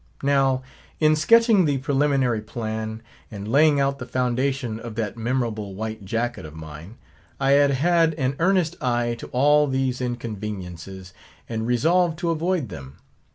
Now, in sketching the preliminary plan, and laying out the foundation of that memorable white jacket of mine, I had had an earnest eye to all these inconveniences, and re solved to avoid them.